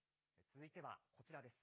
続いては、こちらです。